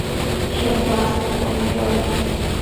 Tá sé ina sheasamh ag bun na sráide.